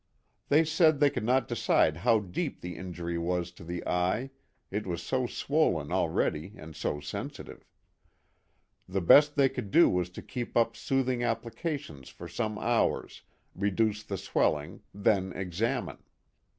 They said they could not decide how deep the injury was to the eye it was so swollen already and so sensitive. The best they could do was to keep up soothing applications for some hours, reduce the swell ing, then examine.